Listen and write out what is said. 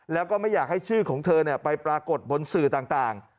แล้วก็ไม่อยากให้ชื่อของเธอไปปรากฏบนสื่อต่าง